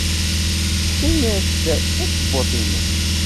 Tefka-as-d takebbuḍt-nnes.